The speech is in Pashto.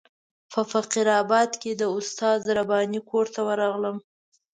په فقیر آباد کې د استاد رباني کور ته ورغلم.